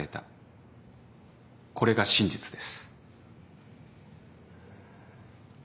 これが真実です。